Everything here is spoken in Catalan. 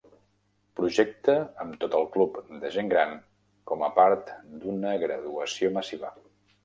Projecte amb tot el club de gent gran, com a part d'una graduació massiva.